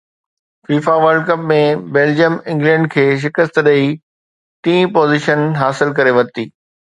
FIFA world cup ۾ Belgium England کي شڪست ڏئي ٽئين پوزيشن حاصل ڪري ورتي